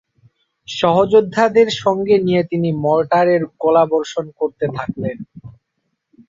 সহযোদ্ধাদের সঙ্গে নিয়ে তিনি মর্টারের গোলাবর্ষণ করতে থাকলেন।